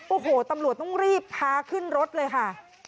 โอ้โหตำรวจต้องรีบพาขึ้นรถเลยค่ะ